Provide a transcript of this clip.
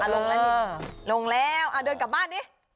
ลงแล้วนี่ลงแล้วเดินกลับบ้านดิ